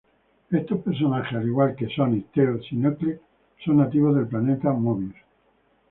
Estos personajes, al igual que Sonic, Tails y Knuckles, son nativos del planeta Möbius.